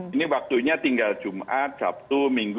ini waktunya tinggal jumat sabtu minggu